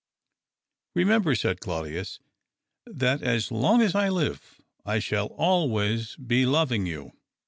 " Kemember," said Claudius, " that as long as I live I shall always be loving you."